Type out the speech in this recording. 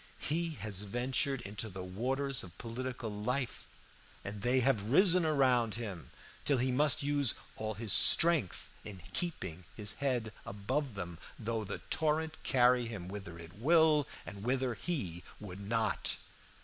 He has ventured into the waters of political life, and they have risen around him till he must use all his strength in keeping his head above them, though the torrent carry him whither it will and whither he would not.